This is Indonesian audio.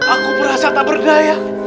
aku merasa tak berdaya